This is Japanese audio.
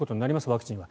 ワクチンは。